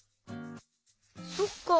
そっか。